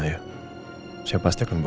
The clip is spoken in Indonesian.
gue kasih tau